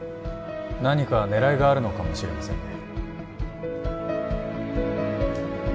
何か狙いがあるのかもしれませんね